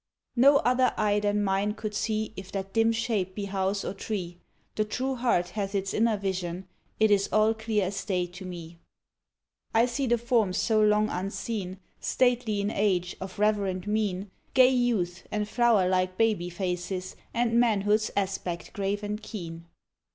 No other eye than mine could see If that dim shape be house or tree ; The true heart hath its inner vision, It is all clear as day to me. 74 ASTORIA BY TWILIGHT I see the forms so long unseen, Stately in age, of reverend mien, Gay youth, and flower like baby faces, And manhood 's aspect grave and keen.